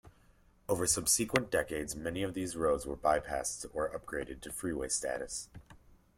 Over subsequent decades many of these roads were bypassed or upgraded to freeway status.